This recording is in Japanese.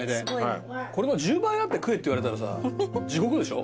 これの１０倍あって食えって言われたらさ地獄でしょ？